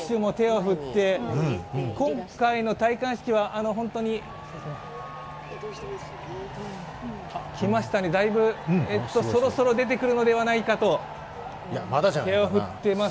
今回の戴冠式は本当に来ましたね、だいぶ、そろそろ出てくるのではないかと手を振っています。